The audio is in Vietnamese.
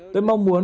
tôi mong muốn